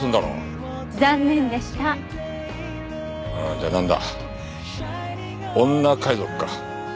じゃあなんだ女海賊か？